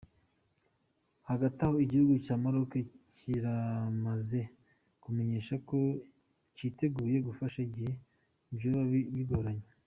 Hagataho igihugu ca Maroc kiramaze kumenyesha ko citeguye gufasha igihe vyoba bigoranye.